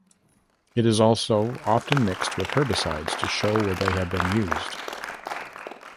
It is also often mixed with herbicides to show where they have been used.